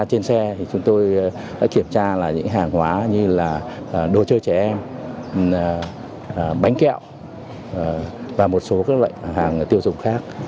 trên xe thì chúng tôi đã kiểm tra là những hàng hóa như là đồ chơi trẻ em bánh kẹo và một số các loại hàng tiêu dùng khác